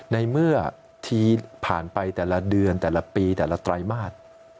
ในเมื่อทีผ่านไปแต่ละเดือนแต่ละปีแต่ละไตรมาส